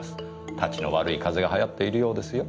質の悪い風邪が流行っているようですよ。